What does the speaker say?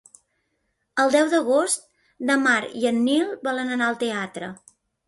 El deu d'agost na Mar i en Nil volen anar al teatre.